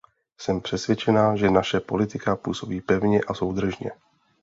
Jsem přesvědčena, že naše politika působí pevně a soudržně.